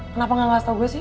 kenapa gak tau gue sih